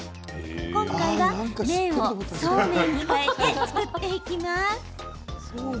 今回は麺をそうめんに代えて作っていきます。